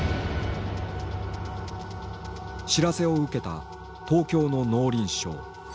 知らせを受けた東京の農林省。